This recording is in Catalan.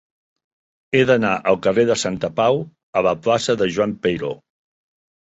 He d'anar del carrer de Santapau a la plaça de Joan Peiró.